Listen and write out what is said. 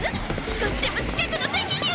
少しでも近くの席に！